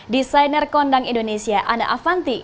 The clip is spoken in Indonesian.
desainer kondang indonesia ana avanti